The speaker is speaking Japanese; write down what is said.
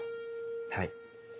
はい。